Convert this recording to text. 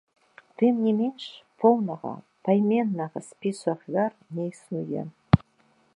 Тым не менш поўнага пайменнага спісу ахвяр не існуе.